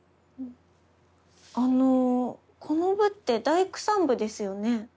あのこの部って大工さん部ですよね？